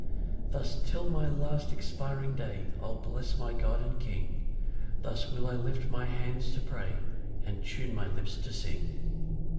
6 Thus till my last expiring day I'll bless my God and King; Thus will I lift my hands to pray, And tune my lips to sing.